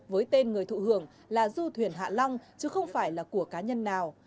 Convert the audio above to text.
với tên người thụ hưởng là du thuyền hạ long chứ không phải là của cá nhân nào